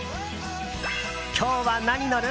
今日はなに乗る？